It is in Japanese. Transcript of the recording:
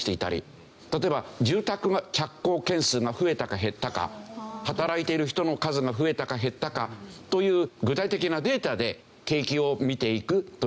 例えば住宅は着工件数が増えたか減ったか働いている人の数が増えたか減ったかという具体的なデータで景気を見ていくというのもありますし。